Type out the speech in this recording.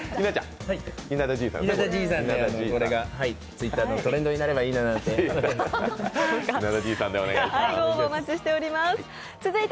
Ｔｗｉｔｔｅｒのトレンドになればいいな、なんて。